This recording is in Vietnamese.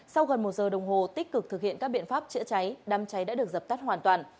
sau gần một giờ đồng hồ tích cực thực hiện các biện pháp chữa cháy đám cháy đã được dập tắt hoàn toàn